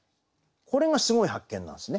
これがすごい発見なんですね。